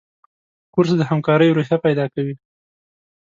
کورس د همکارۍ روحیه پیدا کوي.